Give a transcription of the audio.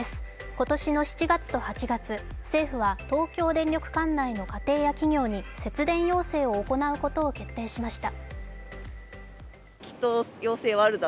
今年の７月と８月、政府は東京電力管内の家庭や企業に節電要請を行うことを決定しました。